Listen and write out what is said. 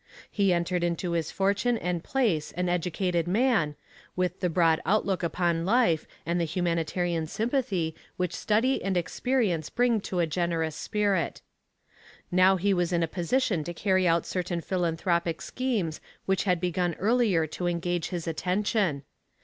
He entered into his fortune and place an educated man, with the broad outlook upon life and the humanitarian sympathy which study and experience bring to a generous spirit. Now he was in a position to carry out certain philanthropic schemes which had begun earlier to engage his attention.